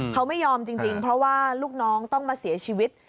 เขาไม่ยอมจริงเพราะว่าลูกน้องต้องมาเสียชีวิต